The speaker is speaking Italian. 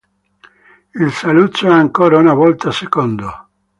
Il Saluzzo è ancora una volta secondo.